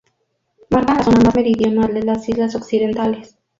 Marcan la zona más meridional de las islas occidentales.